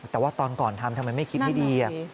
แต่ว่าตอนก่อนทำทำไมไม่คิดให้ดี